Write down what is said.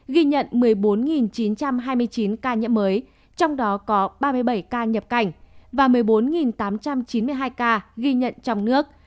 ghi nhận một mươi bốn chín trăm hai mươi chín ca nhiễm mới trong đó có ba mươi bảy ca nhập cảnh và một mươi bốn tám trăm chín mươi hai ca ghi nhận trong nước